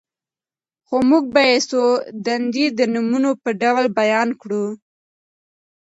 خو موږ به ئې څو دندي د نموني په ډول بيان کړو: